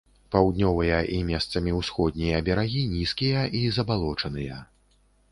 Паўднёвыя і месцамі ўсходнія берагі нізкія і забалочаныя.